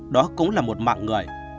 đó cũng là một mạng người